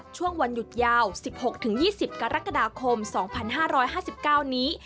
ช่วงวันหยุดยาว๑๖๒๐กรกฎาคม๒๕๕๙นี้